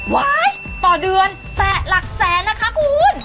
ต่อเดือนแต่หลักแสนนะคะคุณ